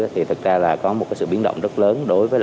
thì thật ra là có một sự biến động rất lớn